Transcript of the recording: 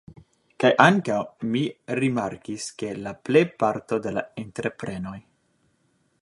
Kaj ankaŭ mi rimarkis ke la plejparto de la entreprenoj